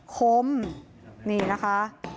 คมนี่นะคะ